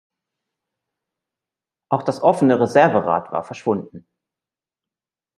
Auch das offene Reserverad war verschwunden.